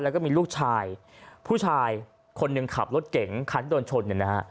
แล้วก็มีลูกชายผู้ชายคนหนึ่งขับรถเก่งคันที่โดนชนเนี่ยนะฮะ